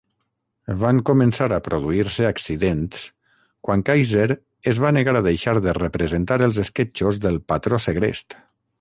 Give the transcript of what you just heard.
Van començar a produir-se "accidents" quan Kaiser es va negar a deixar de representar els esquetxos del "Patró Segrest".